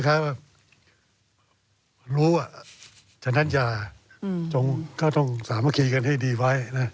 คล้ายว่ารู้ฉะนั้นอย่าจงก็ต้องสามัคคีกันให้ดีไว้นะ